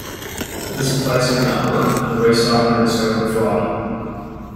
This device did not work, and the race doctor discovered the fraud.